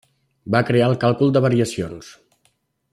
Va crear el càlcul de variacions.